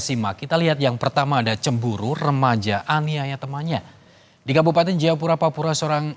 simak kita lihat yang pertama ada cemburu remaja aniaya temannya di kabupaten jayapura papua seorang